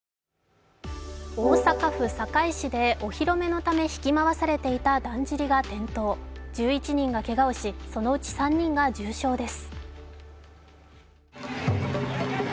大阪府堺市でお披露目のため引き回されていただんじりが転倒、１１人がけがをし、そのうち３人が重傷です。